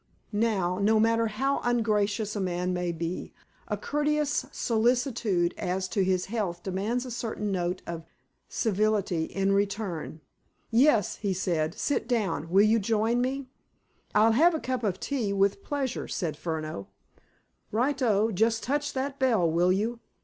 Now, no matter how ungracious a man may be, a courteous solicitude as to his health demands a certain note of civility in return. "Yes," he said. "Sit down. Will you join me?" "I'll have a cup of tea, with pleasure," said Furneaux. "Right o! Just touch that bell, will you?"